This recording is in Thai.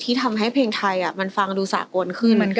ทำให้เพลงไทยมันฟังดูสากลขึ้น